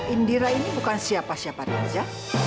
indira ini bukan siapa siapa saja